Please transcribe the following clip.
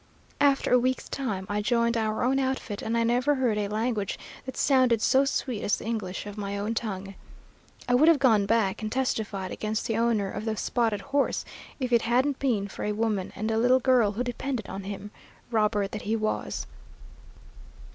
"After a week's time I joined our own outfit, and I never heard a language that sounded so sweet as the English of my own tongue. I would have gone back and testified against the owner of the spotted horse if it hadn't been for a woman and a little girl who depended on him, robber that he was."